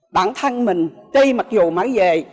bản thân mình tri mặc dù mới về